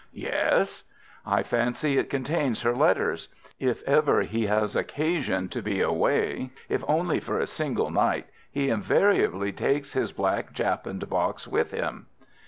"Yes." "I fancy it contains her letters. If ever he has occasion to be away, if only for a single night, he invariably takes his black japanned box with him.